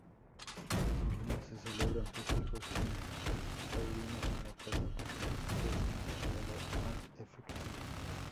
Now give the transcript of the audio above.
Asimismo se celebrarán festejos taurinos en una plaza portátil que se instala al efecto.